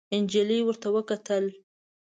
نجلۍ ورته وکتل.